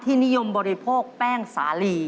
นิยมบริโภคแป้งสาลี